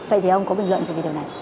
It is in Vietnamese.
vậy thì ông có bình luận gì về điều này